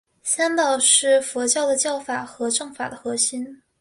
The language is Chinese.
三宝是佛教的教法和证法的核心。